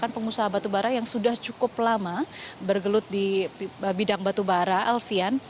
pengusaha batubara yang sudah cukup lama bergelut di bidang batubara alfian